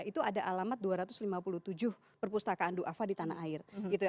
itu ada alamat dua ratus lima puluh tujuh perpustakaan du'afa di tanah air gitu ya